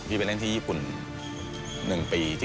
ไปเล่นที่ญี่ปุ่น๑ปี